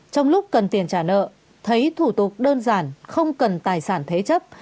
trong lúc cần tiền trả nợ thấy thủ tục đơn giản không cần tài sản thế chấp